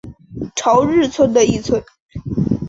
朝日村的一村。